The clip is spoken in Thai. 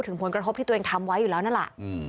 ผลกระทบที่ตัวเองทำไว้อยู่แล้วนั่นแหละ